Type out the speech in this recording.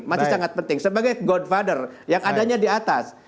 masih sangat penting sebagai godfather yang adanya di atas